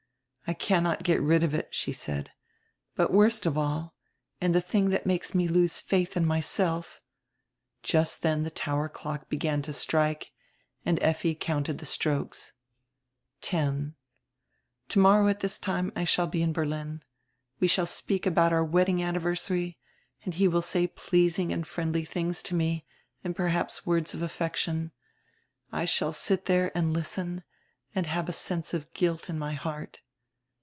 "I cannot get rid of it," she said. "But worst of all, and the tiling that makes me lose faith in myself —"Just then the tower clock began to strike and Efti counted the strokes. "Ten —Tomorrow at this time I shall be in Berlin. We shall speak about our wedding anniversary and he will say pleasing and friendly tilings to me and perhaps words of affection. I shall sit there and listen and have a sense of guilt in my heart."